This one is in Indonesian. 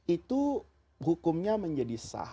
itu hukumnya menjadi sah